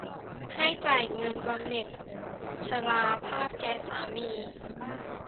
ให้จ่ายเงินบำเหน็จชราภาพแก่สามี